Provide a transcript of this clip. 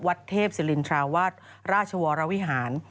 เทพศิรินทราวาสราชวรวิหาร